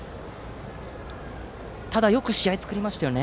ただ、よく試合を作りましたよね。